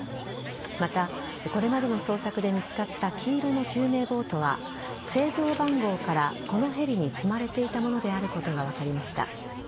またこれまでの捜索で見つかった黄色の救命ボートは製造番号からこのヘリに積まれていたものであることが分かりました。